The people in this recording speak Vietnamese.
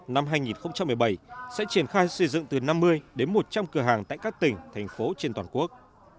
năm hai nghìn một mươi bảy sẽ triển khai xây dựng từ năm mươi đến một trăm linh cửa hàng tại các tỉnh thành phố trên toàn quốc